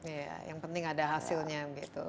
ya ya yang penting ada hasilnya gitu